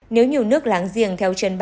nếu nhiều nước láng giềng